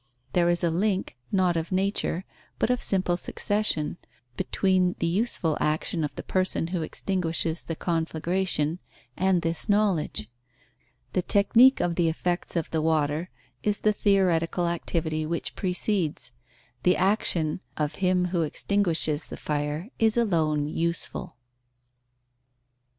There is a link, not of nature, but of simple succession, between the useful action of the person who extinguishes the conflagration, and this knowledge. The technique of the effects of the water is the theoretical activity which precedes; the action of him who extinguishes the fire is alone useful.